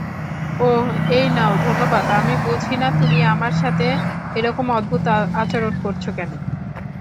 ওহ এই নাও ধন্যবাদ আমি বুঝিনা তুমি আমার সাথে এরকম অদ্ভুত আচরণ করছো কেন?